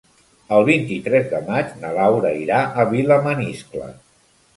El vint-i-tres de maig na Laura irà a Vilamaniscle.